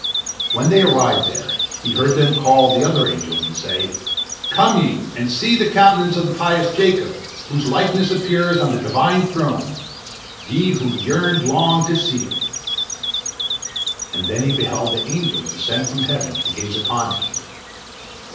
When they arrived there, he heard them call the other angels, and say, "Come ye and see the countenance of the pious Jacob, whose likeness appears on the Divine throne, ye who yearned long to see it," and then he beheld the angels descend from heaven to gaze upon him.